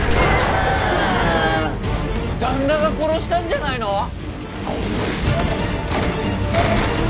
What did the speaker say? あぁ‼旦那が殺したんじゃないの？